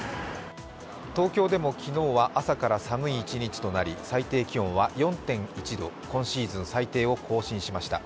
東京でも昨日は朝から寒い１日となり最低気温は４．１度、今シーズン最低を更新しました。